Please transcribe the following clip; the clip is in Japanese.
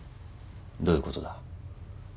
どういうことだ？